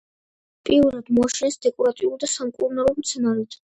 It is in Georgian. პირველად მოაშენეს დეკორატიულ და სამკურნალო მცენარედ.